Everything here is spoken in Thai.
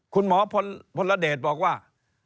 คุณหมอพลเดชบอกว่า